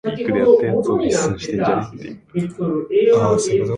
All content is broadcast from its studios in Dorchester.